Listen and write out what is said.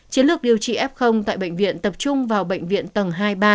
chiến lược điều trị f tại bệnh viện tập trung vào bệnh viện tầng hai ba